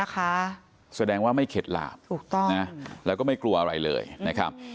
แสดงว่าไม่เข็ดหลาบถูกต้องนะแล้วก็ไม่กลัวอะไรเลยนะครับ